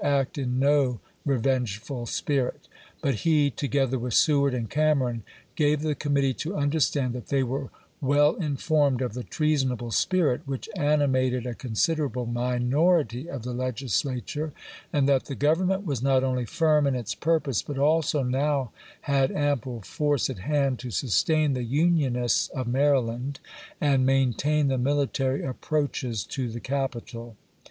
act in no revengeful spirit ; but he, together with Seward and Cameron, gave the committee to under stand that they were well informed of the treason able spirit which animated a considerable minority of the Legislature, and that the Grovernment was not only firm in its purpose but also now had ample force at hand to sustain the Unionists of Maryland, and maintain the military approaches to the capital.